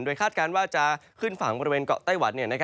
คาดการณ์ว่าจะขึ้นฝั่งบริเวณเกาะไต้หวัน